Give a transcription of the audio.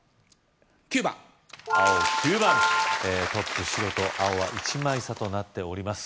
９番青９番トップ・白と青は１枚差となっております